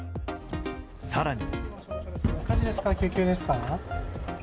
更に。